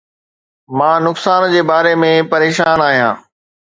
مان نقصان جي باري ۾ پريشان آهيان